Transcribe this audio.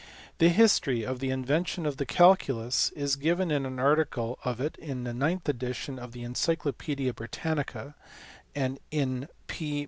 The history of the invention of the Jculus is given in an article on it in the ninth edition of the Encyclo paedia Britannica, and in P.